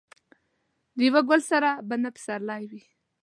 د یو ګل سره به پسرلی نه وي.